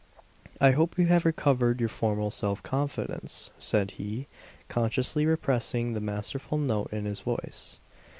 "I hope you have recovered your former self confidence," said he, consciously repressing the masterful note in his voice.